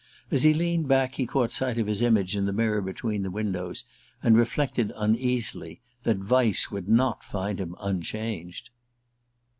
As he leaned back he caught sight of his image in the mirror between the windows, and reflected uneasily that Vyse would not find him unchanged.